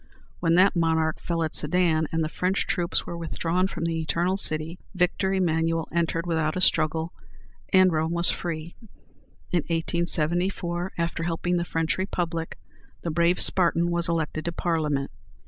When that monarch fell at Sedan, and the French troops were withdrawn from the Eternal City, Victor Emmanuel entered without a struggle, and Rome was free. In 1874, after helping the French Republic, the brave Spartan was elected to Parliament.